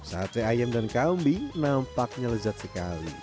sate ayam dan kambing nampaknya lezat sekali